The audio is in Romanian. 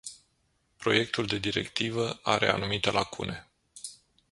Proiectul de directivă are anumite lacune.